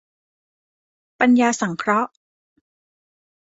ปัญญาสังเคราะห์